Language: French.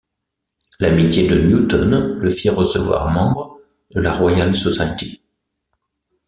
L'amitié de Newton le fit recevoir membre de la Royal Society.